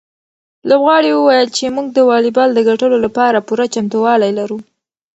لوبغاړي وویل چې موږ د واليبال د ګټلو لپاره پوره چمتووالی لرو.